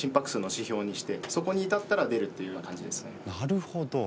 なるほど。